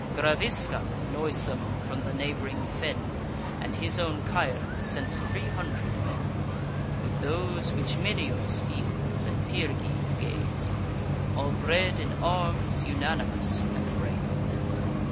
Gravisca, noisome from the neighb'ring fen, And his own Caere, sent three hundred men; With those which Minio's fields and Pyrgi gave, All bred in arms, unanimous, and brave.